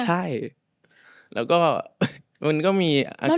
ใช่แล้วก็มันก็มีอาการ